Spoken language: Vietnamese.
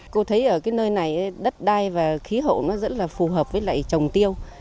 cô thấy ở cái nơi này đất đai và khí hậu nó rất là phù hợp với lại trồng tiêu